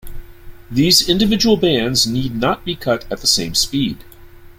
These individual bands need not be cut at the same speed.